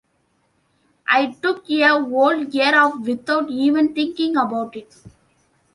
I took a whole year off without even thinking about it.